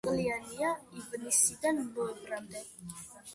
უხვწყლიანია ივნისიდან ნოემბრამდე.